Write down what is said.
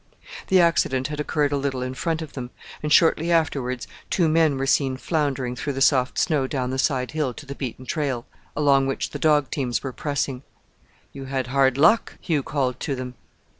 The accident had occurred a little in front of them, and shortly afterwards two men were seen floundering through the soft snow down the side hill to the beaten trail, along which the dog teams were pressing. "You had hard luck," Hugh called to them.